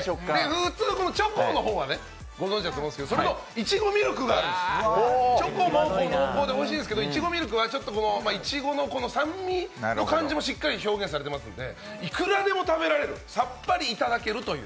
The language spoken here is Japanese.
普通、チョコの方はご存じだと思うんですけどそれといちごミルクがある、チョコも濃厚なんですけどいちごミルクはいちごの酸味の感じもちゃんと表現されてますのでいくらでも食べられる、さっぱりいただけるという。